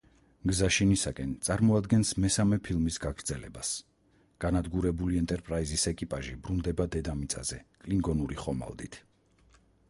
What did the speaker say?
გზა შინისაკენ წარმოადგენს მესამე ფილმის გაგრძელებას, განადგურებული „ენტერპრაიზის“ ეკიპაჟი ბრუნდება დედამიწაზე კლინგონური ხომალდით.